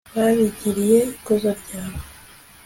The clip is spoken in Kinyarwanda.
babigiriye ikuzo ryawe